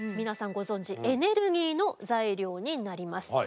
ご存じエネルギーの材料になります。